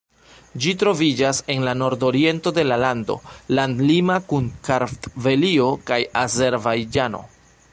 Ĝi troviĝas en la nordoriento de la lando, landlima kun Kartvelio kaj Azerbajĝano.